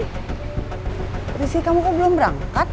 kondisi kamu kok belum berangkat